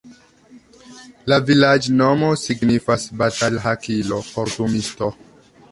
La vilaĝnomo signifas: batalhakilo-kortumisto.